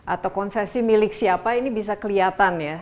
atau konsesi milik siapa ini bisa kelihatan ya